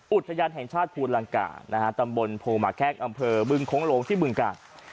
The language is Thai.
อุทยานแห่งชาติภูลังกานะฮะตำบลโพหมาแข้งอำเภอบึงโค้งลงที่บึงกาล